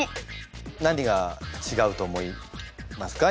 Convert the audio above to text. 何がちがうと思いますか？